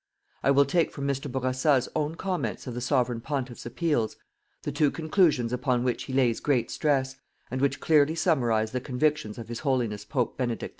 I will take from Mr. Bourassa's own comments of the Sovereign Pontiff's appeals, the two conclusions upon which he lays great stress, and which clearly summarize the convictions of His Holiness Pope Benedict XV.